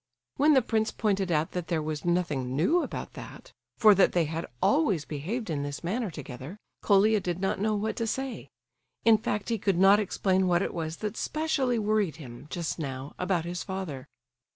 When the prince pointed out that there was nothing new about that, for that they had always behaved in this manner together, Colia did not know what to say; in fact he could not explain what it was that specially worried him, just now, about his father.